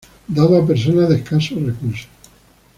Dado a personas de escasos recursos.